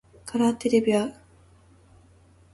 カラーテレビは画期的な発明品です。